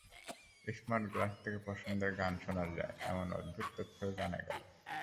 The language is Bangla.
স্মার্ট গ্লাস থেকে পছন্দের গান শোনা যায়—এমন অদ্ভুত তথ্যও জানা গেল।